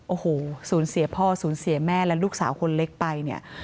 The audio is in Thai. โอ้โหสูญเสียพ่อสูญเสียแม่และลูกสาวคนเล็กไปเนี่ย